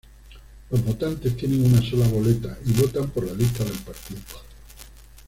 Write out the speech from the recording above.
Los votantes tienen una sola boleta y votan por la lista del partido.